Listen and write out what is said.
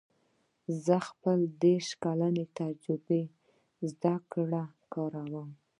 زه خپله دېرش کلنه تجربه او زده کړه کاروم